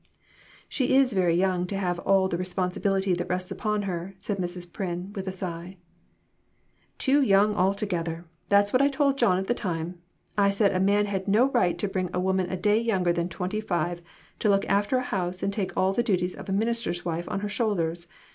"She is very young to have all the responsi bility that rests upon her," said Mrs. Pryn, with a sigh. "Too young altogether; that's what I told John at the time. I said a man had no right to bring a woman a day younger than twenty five to look after a house and take all the duties of^ a minister's wife on her shoulders.